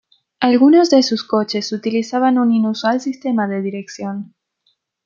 Algunos de sus coches utilizaban un inusual sistema de dirección.